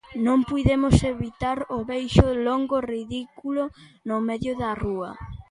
Non puidemos evitar o beixo longo, ridículo, no medio da rúa.